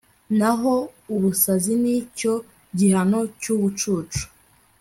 naho ubusazi ni cyo gihano cy'ubucucu